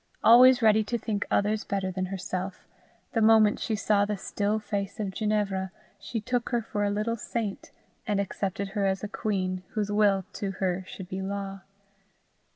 Always ready to think others better than herself, the moment she saw the still face of Ginevra, she took her for a little saint, and accepted her as a queen, whose will to her should be law.